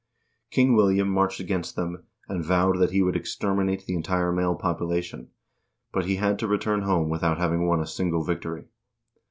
King William marched against them, and vowed that he would exterminate the entire male population, but he had to re turn home without having won a single victory.